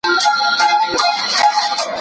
د فاسدي نکاح په وخت کي په جماع سره مهر واجبيږي.